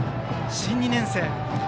新２年生。